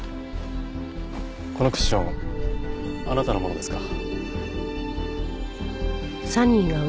このクッションあなたのものですか？